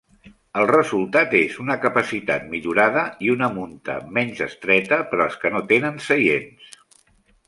El resultat és una capacitat millorada i una munta menys estreta per als que no tenen seients.